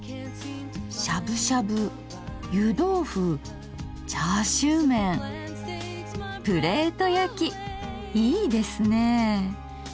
しゃぶしゃぶ湯どうふチャーシューメンプレート焼きいいですね。